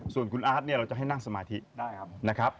ส่วนคุณอ๊าฆเราจะให้นั่งสมาธิได้ครับ